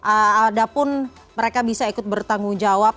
ada pun mereka bisa ikut bertanggung jawab